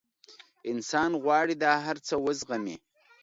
انسان غواړي دا هر څه وزغمي.